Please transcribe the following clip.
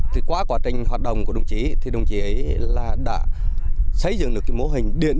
thì qua quá trình hoạt động của đồng chí thì đồng chí ấy là đã xây dựng được cái mô hình điện